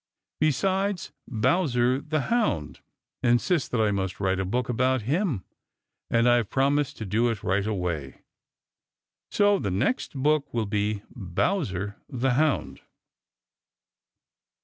Besides, Bowser the Hound insists that I must write a book about him, and I have promised to do it right away. So the next book will be Bowser the Hound.